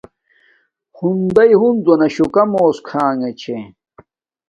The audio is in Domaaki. ہندݵ ہنزو نا شوکا موس کھانݣگے چھے